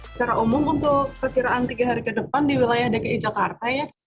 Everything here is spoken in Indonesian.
secara umum untuk ketika di depan di wilayah dki jakarta ya